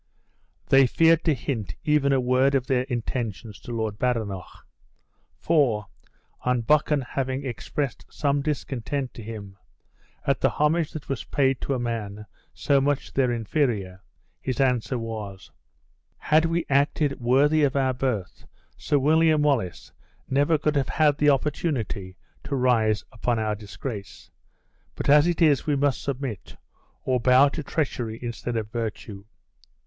They feared to hint even a word of their intentions to Lord Badenoch; for, on Buchan having expressed some discontent to him, at the homage that was paid to a man so much their inferior, his answer was, "Had we acted worthy of our birth, Sir William Wallace never could have had the opportunity to rise upon our disgrace. But as it is, we must submit, or bow to treachery instead of virtue."